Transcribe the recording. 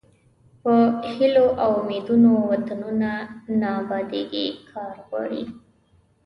په هیلو او امیدونو وطنونه نه ابادیږي کار غواړي.